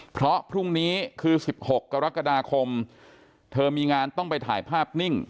เพราะพรุ่งนี้คือ๑๖กรกฎาคมเธอมีงานต้องไปถ่ายภาพนิ่ง